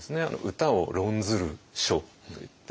「歌を論ずる書」といって。